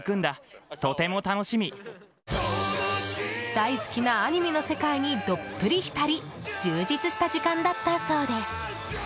大好きなアニメの世界にどっぷり浸り充実した時間だったそうです。